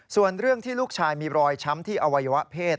ส่วนเรื่องที่ลูกชายมีรอยช้ำที่อวัยวะเพศ